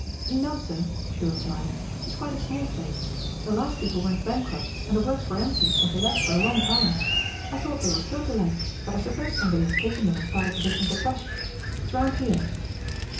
"No, sir," she replied. "It's quite a small place. The last people went bankrupt and the works were empty and to let for a long time. I thought they were still to let, but I suppose somebody has taken them and started the business afresh. It's round here."